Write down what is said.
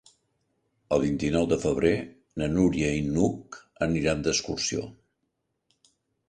El vint-i-nou de febrer na Núria i n'Hug aniran d'excursió.